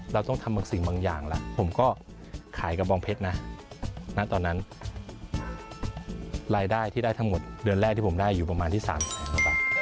เป็นประมาณที่๓แหล่งกันบ้าง